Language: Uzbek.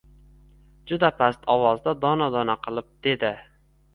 Juda past ovozda dona-dona qilib dedi